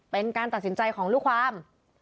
เป็นการตัดสินใจของลูกความ